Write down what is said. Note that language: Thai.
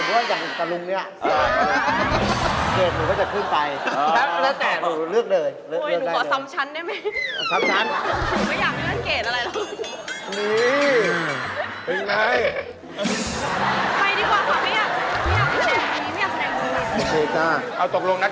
อ่ะถ้าเกิดสมมุติอย่างตะลุงนี่